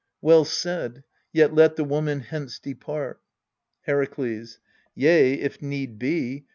Well said : yet let the woman hence depart. Herakles. Yea if need be.